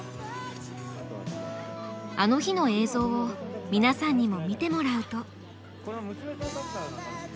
あの日の映像を皆さんにも見てもらうと。